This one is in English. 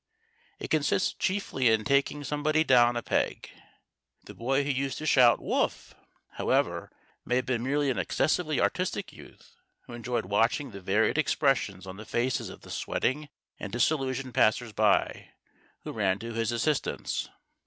It consists chiefly in taking somebody down a peg. The boy who used to shout "Wolf!", however, may have been merely an excessively artistic youth who enjoyed watching the varied expressions on the faces of the sweating and disillusioned passersby who ran to his assistance.